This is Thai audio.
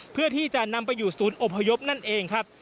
เพื่อที่จะนำไปอยู่ศูนย์อพยพนั่นเองครับ